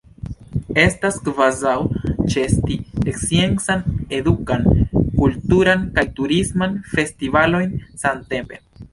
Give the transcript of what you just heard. Estas kvazaŭ ĉeesti sciencan, edukan, kulturan kaj turisman festivalojn samtempe.